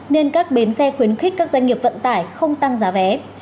nên các bến xe khuyến khích các doanh nghiệp vận tải không tăng giá vé